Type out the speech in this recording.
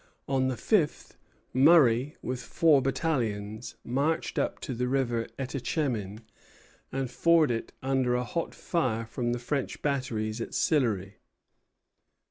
On the fifth, Murray, with four battalions, marched up to the River Etechemin, and forded it under a hot fire from the French batteries at Sillery.